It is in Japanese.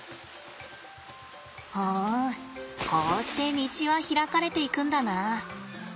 ふんこうして道は開かれていくんだな。